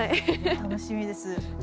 楽しみです。